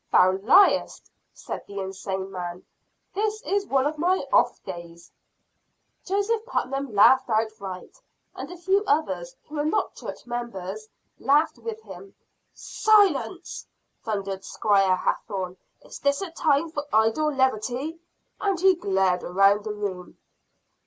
"Thou liest!" said the insane man. "This is one of my off days." Joseph Putnam laughed outright; and a few others, who were not church members, laughed with him. "Silence!" thundered Squire Hathorne. "Is this a time for idle levity?" and he glared around the room.